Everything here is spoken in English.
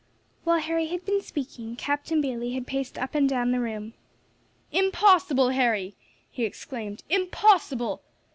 While Harry had been speaking Captain Bayley had paced up and down the room. "Impossible, Harry," he exclaimed, "impossible.